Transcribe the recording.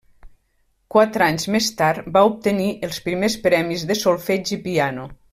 Quatre anys més tard va obtenir els primers premis de solfeig i piano.